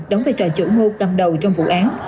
đóng vai trò chủ mưu cầm đầu trong vụ án